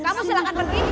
kamu silahkan pergi